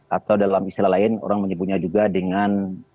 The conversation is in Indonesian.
atau dalam istilah lain orang menyebutnya juga dengan